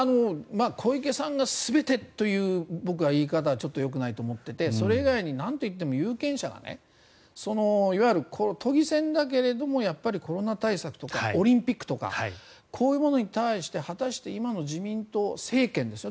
小池さんが全てという僕は、言い方はちょっとよくないと思っててそれ以外になんといっても有権者がいわゆる都議選だけどもやっぱりコロナ対策とかオリンピックとかこういうものに対して果たして今の自民党政権ですよ